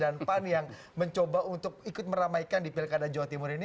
dan pan yang mencoba untuk ikut meramaikan di pilkada jawa timur ini